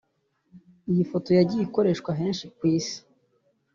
Iyi foto yagiye Ikoreshwa henshi ku isi